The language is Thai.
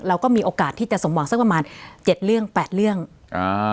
เราก็มีโอกาสที่จะสมหวังสักประมาณเจ็ดเรื่องแปดเรื่องอ่า